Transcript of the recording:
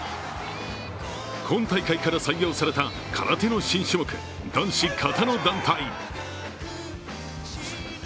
今大会から採用された空手の新種目、男子形の団体。